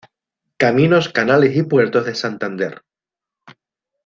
Caminos, Canales y Puertos de Santander.